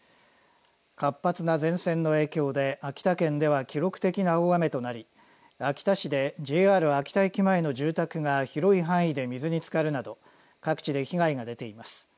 活発な前線の影響で秋田県では記録的な大雨となり秋田市でＪＲ秋田駅前の住宅が広い範囲で水につかるなど各地で被害が出ています。